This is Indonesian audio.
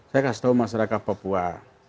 saya kasih tahu masyarakat papua